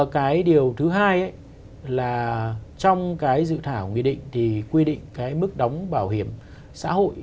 cái điều thứ hai là trong cái dự thảo nghị định thì quy định cái mức đóng bảo hiểm xã hội